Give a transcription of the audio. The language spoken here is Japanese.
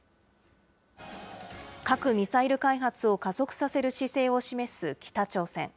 核・ミサイル開発を加速させる姿勢を示す北朝鮮。